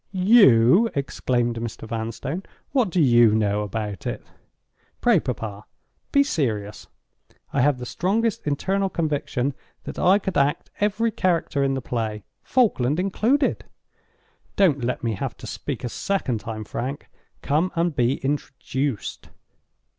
"You!" exclaimed Mr. Vanstone. "What do you know about it?" "Pray, papa, be serious! I have the strongest internal conviction that I could act every character in the play—Falkland included. Don't let me have to speak a second time, Frank. Come and be introduced."